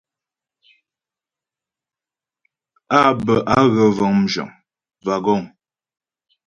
Á bə á gə vəŋ mzhəŋ (wagons).